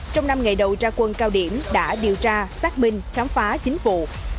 trong năm ngày đầu ra quân cao điểm đã điều tra xác minh khám phá chính vụ